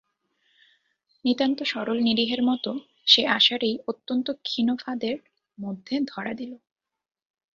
নিতান্ত সরল নিরীহের মতো সে আশার এই অত্যন্ত ক্ষীণ ফাঁদের মধ্যে ধরা দিল।